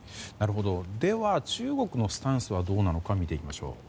中国のスタンスはどうなのか、見ていきましょう。